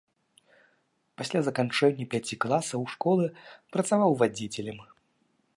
Пасля заканчэння пяці класаў школы працаваў вадзіцелем.